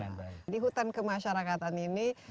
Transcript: jadi hutan kemasyarakatan ini